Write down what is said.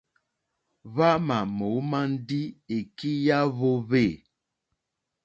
Hwámà mǒmá ndí èkí yá hwōhwê.